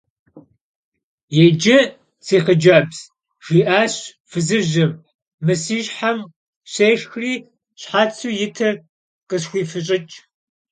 Yicı, si xhıcebz, – jji'aş fızıjım, – mı si şhem sêşşxri şhetsu yitır khısxuifış'ıç'.